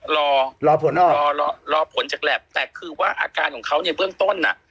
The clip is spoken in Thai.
รอรอผลรอรอผลจากแหลปแต่คือว่าอาการของเขาในเบื้องต้นอ่ะ